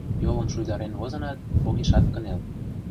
Йолым шуйдарен возынат, огешат кынел.